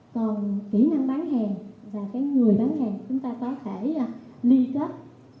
còn kỹ năng bán hàng và cái người bán hàng chúng ta có thể liên kết